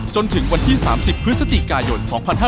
จนถึงวันที่๓๐พฤศจิกายน๒๕๕๙